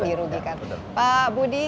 dirugikan pak budi